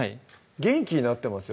元気になってます